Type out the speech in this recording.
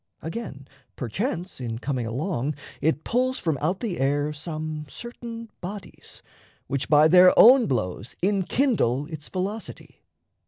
Again, perchance, In coming along, it pulls from out the air Some certain bodies, which by their own blows Enkindle its velocity.